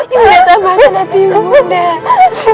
ibu nda tambahkan hati ibu nda